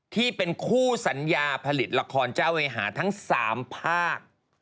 ที่เป็นคู่สัญญาผลิตละครเจ้าเวหาทั้ง๓ภาค